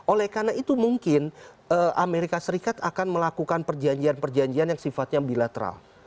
oleh karena itu mungkin amerika serikat akan melakukan perjanjian perjanjian yang sifatnya bilateral